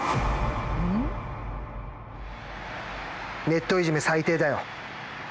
ネットいじめ最低だよ。